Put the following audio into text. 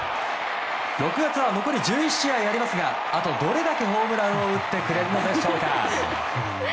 ６月は残り１１試合ありますがあとどれだけホームランを打ってくれるのでしょうか。